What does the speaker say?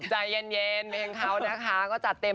ใจเย็นเพลงเขานะคะก็จัดเต็ม